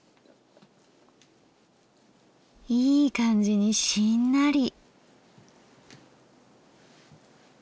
いい感じにしんなり。